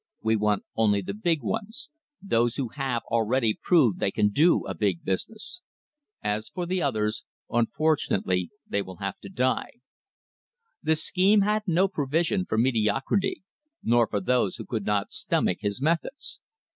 "We want only the big ones, those who have already proved they can do a big business. As for the others, unfor tunately they will have to die." The scheme had no provision for mediocrity nor for those who could not stomach his methods.